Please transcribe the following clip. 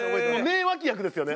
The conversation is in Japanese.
名脇役ですよね。